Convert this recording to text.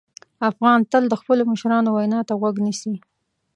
افغان تل د خپلو مشرانو وینا ته غوږ نیسي.